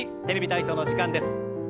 「テレビ体操」の時間です。